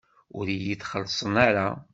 Ur iyi-d-xellṣen ara.